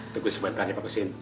tunggu sebentar ya pak kusin